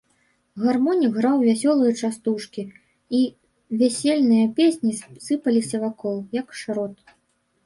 Гармонік граў вясёлыя частушкі, і вясельныя песні сыпаліся вакол, як шрот.